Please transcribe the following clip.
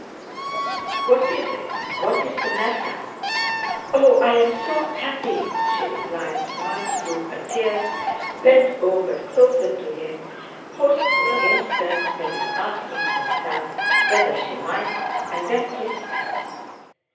"What is it? What's the matter?" "Oh, I am so happy!" she replied, smiled through her tears, bent over closer to him, paused for an instant as if asking herself whether she might, and then kissed him.